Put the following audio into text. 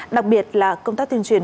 đặc biệt là công tác tuyên truyền